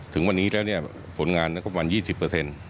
ถึงวันนี้แล้วผลงานประมาณ๒๐เปอร์เซ็นต์